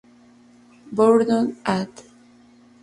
Bourdon, Ad.